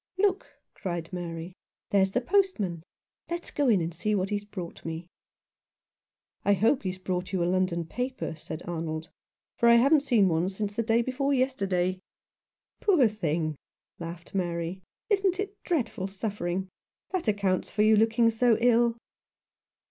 " Look," cried Mary, " there's the postman. Let's go in and see what he has brought me." " I hope he has brought you a London paper," said Arnold, " for I haven't seen one since the day before yesterday." 33 Rough Justice. "Poor thing!" laughed Mary. "Isn't it dread ful suffering ? That accounts for you looking so ill."